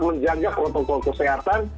menjanggap otot otot kesehatan